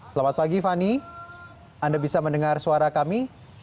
selamat pagi fani anda bisa mendengar suara kami